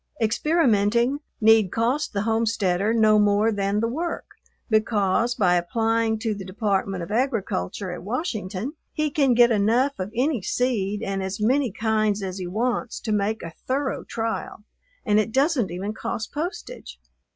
Experimenting need cost the homesteader no more than the work, because by applying to the Department of Agriculture at Washington he can get enough of any seed and as many kinds as he wants to make a thorough trial, and it doesn't even cost postage.